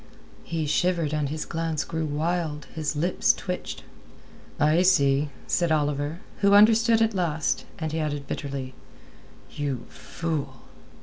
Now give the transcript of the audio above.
He shivered and his glance grew wild; his lips twitched. "I see," said Oliver, who understood at last, and he added bitterly: "You fool!"